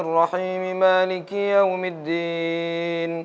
ar rahman ar rahim maliki yawmiddin